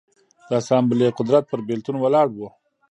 د اسامبلې قدرت پر بېلتون ولاړ و.